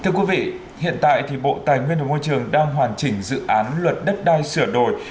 thưa quý vị hiện tại thì bộ tài nguyên và môi trường đang hoàn chỉnh dự án luật đất đai sửa đổi